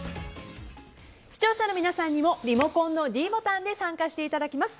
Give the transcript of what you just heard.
視聴者の皆さんにもリモコンのｄボタンで参加していただきます。